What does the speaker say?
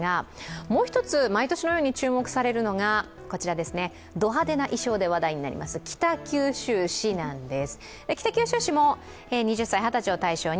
もう１つ、毎年のように注目されるのがド派手な衣装で話題になります北九州市なんです。